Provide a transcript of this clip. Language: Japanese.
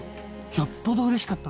よっぽどうれしかったんだね。